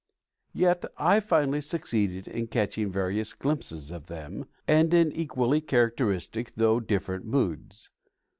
Yet I finally succeeded in catching various glimpses of them, and in equally characteristic, though different moods.